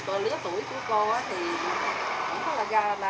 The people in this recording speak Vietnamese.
từ lứa tuổi của cô thì không có là lao động được gì đó